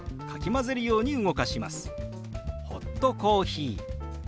「ホットコーヒー」。